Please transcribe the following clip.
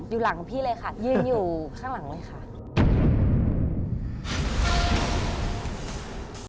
อยู่หลังพี่เลยค่ะยืนอยู่ข้างหลังเลยค่ะ